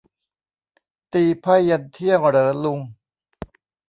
ตีไพ่ยันเที่ยงเหรอลุง